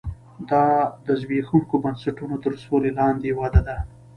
دا د زبېښونکو بنسټونو تر سیوري لاندې وده ده